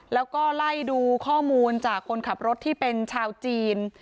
แล้วก็ไล่ดูข้อมูลจากคนขับรถที่เป็นชาวจีน